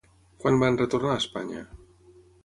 Quan van retornar a Espanya?